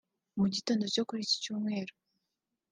Mu gitondo cyo kuri iki Cyumweru